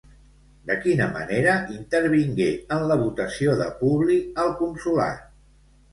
De quina manera intervingué en la votació de Publi al consolat?